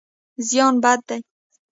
زیان بد دی.